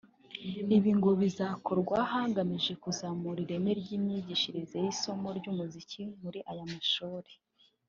Ibi ngo bizakorwa hagamijwe kuzamura ireme ry’imyigishirize y’isomo ry’umuziki muri aya mashuri